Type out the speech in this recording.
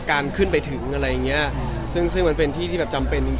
การขึ้นไปถึงกันซึ่งเป็นที่จำเป็นจริง